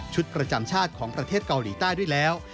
ประจำชาติของประเทศเกาหลีใต้ด้วยแล้ว